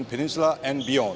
di peninsular korea dan lebih jauh